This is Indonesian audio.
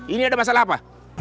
ini ada masalah apa